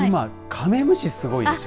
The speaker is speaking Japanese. カメムシすごいでしょ。